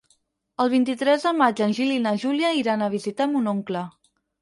El vint-i-tres de maig en Gil i na Júlia iran a visitar mon oncle.